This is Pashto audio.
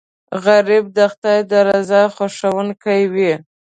غریب د خدای د رضا غوښتونکی وي